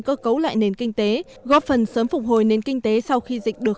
cơ cấu lại nền kinh tế góp phần sớm phục hồi nền kinh tế sau khi dịch được